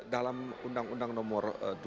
dalam undang undang nomor dua